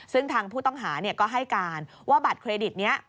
ซึ่งทางผู้ต้องหาก็ให้การว่าบัตรเครดิตนี้